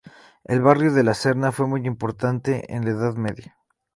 El barrio de la Serna fue muy importante en la Edad Media.